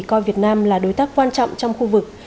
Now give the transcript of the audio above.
coi việt nam là đối tác quan trọng trong khu vực